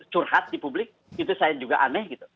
curhat di publik itu saya juga aneh gitu